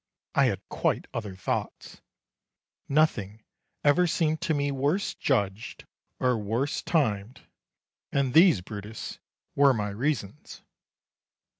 I had quite other thoughts. Nothing ever seemed to me worse judged or worse timed; and these, Brutus, were my reasons.